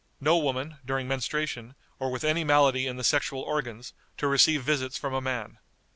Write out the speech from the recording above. No woman, during menstruation, or with any malady in the sexual organs, to receive visits from a man.